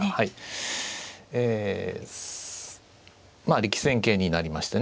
力戦形になりましてね